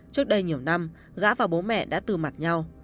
trước đây nhiều năm gã và bố mẹ đã từ mặt nhau